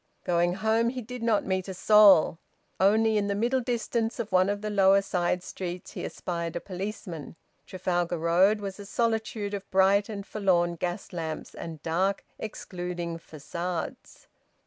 Going home, he did not meet a soul; only in the middle distance of one of the lower side streets he espied a policeman. Trafalgar Road was a solitude of bright and forlorn gas lamps and dark, excluding facades.